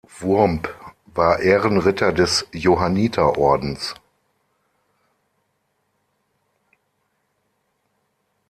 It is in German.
Wurmb war Ehrenritter des Johanniterordens.